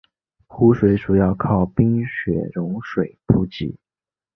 湖水主要靠冰雪融水补给。